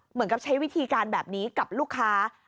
เหมือนกับใช้วิธีการแบบนี้กับลูกค้า